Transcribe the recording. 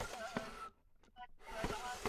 Nadharia hii hutumia kigezo ha msamiati wa Kiswahili